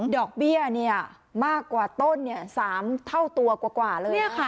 ดอกเบี้ยเนี่ยมากกว่าต้นเนี่ย๓เท่าตัวกว่ากว่าเลยนะ